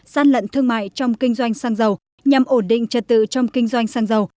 gian lận thương mại trong kinh doanh xăng dầu nhằm ổn định trật tự trong kinh doanh xăng dầu